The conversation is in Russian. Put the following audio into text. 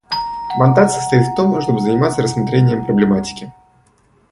Мандат состоит в том, чтобы заниматься рассмотрением проблематики.